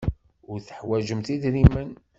Ur teḥwajemt idrimen.